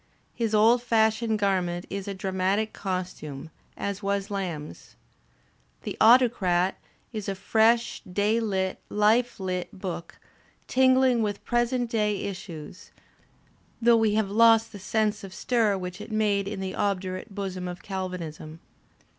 His old fashioned garment is a dramatic costume, as was Lamb's. "The Autocrat" is a fresh, day lit, life lit book, tingling with present day issues, though we have lost the sense of stir which it made in the obdurate bosom of Galvanism.